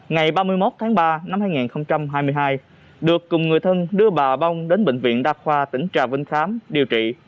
ngày ba mươi một tháng ba năm hai nghìn hai mươi hai được cùng người thân đưa bà bong đến bệnh viện đa khoa tỉnh trà vinh khám điều trị